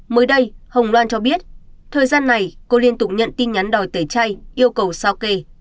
mới đây hồng loan cho biết thời gian này cô liên tục nhận tin nhắn đòi tẩy chay yêu cầu sao kê